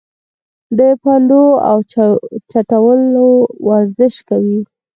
د پوندو اوچتولو ورزش کوی -